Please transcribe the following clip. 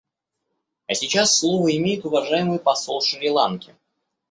А сейчас слово имеет уважаемый посол Шри-Ланки.